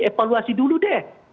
evaluasi dulu deh